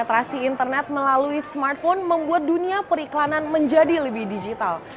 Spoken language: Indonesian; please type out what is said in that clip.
literasi internet melalui smartphone membuat dunia periklanan menjadi lebih digital